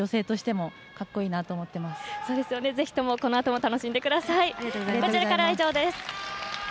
同じ女性としてもぜひともこのあとも楽しんでください。